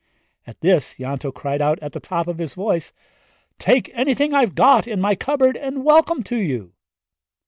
At this Ianto cried out at the top of his voice, 'Take anything I've got in my cupboard and welcome to you!'